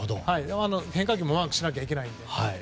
変化球もマークしなきゃいけなくて。